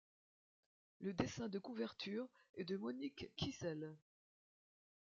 Le dessin de couverture est de Monique Kissel.